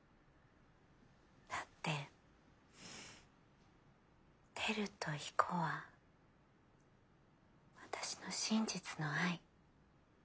だって輝と彦は私の真実の愛。